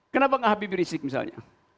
kenapa ke habib rizik misalnya